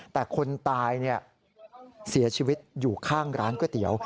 แต่คนตายเสียชีวิตอยู่ข้างร้านก๋วยเตี๋ยว